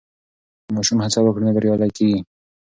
که ماشوم هڅه وکړي نو بریالی کېږي.